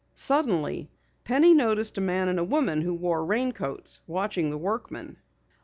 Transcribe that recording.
Suddenly Penny noticed a man and woman who wore raincoats, watching the workmen.